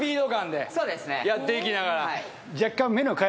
やっていきながら。